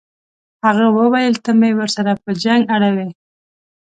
هغه وویل ته مې ورسره په جنګ اړوې.